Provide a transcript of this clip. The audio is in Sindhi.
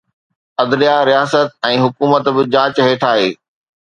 عدليه، رياست ۽ حڪومت به جاچ هيٺ آهي.